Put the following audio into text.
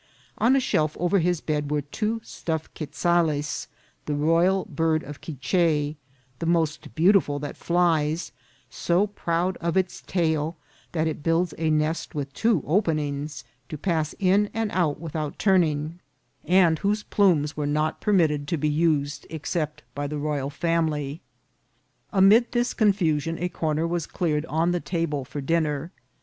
On a shelf over his bed were two stuffed quezales, the royal bird of Quiche, the most beautiful that flies, so proud of its tail that it builds its nest with two openings, to pass in and out without turn ing, and whose plumes were not permitted to be used except by the royal family. Amid this confusion a corner was cleared on the ta ble for dinner.